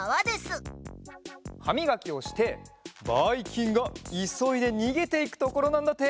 はみがきをしてばいきんがいそいでにげていくところなんだって！